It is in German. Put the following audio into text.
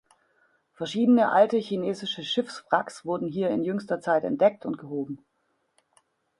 Verschiedene alte chinesische Schiffswracks wurden hier in jüngster Zeit entdeckt und gehoben.